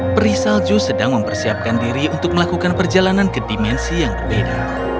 peri salju sedang mempersiapkan diri untuk melakukan perjalanan ke dimensi yang berbeda